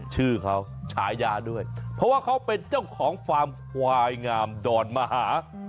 ชื่อเขาฉายาด้วยเพราะว่าเขาเป็นเจ้าของฟาร์มควายงามดอนมหา